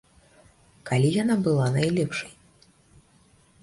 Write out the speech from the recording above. Калі яна была найлепшай?